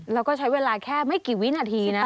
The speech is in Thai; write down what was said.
แล้วก็ใช้เวลาแค่ไม่กี่วินาทีนะ